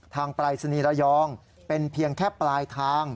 ทางปราศนีรยองเป็นเพียงแค่ปลายทาง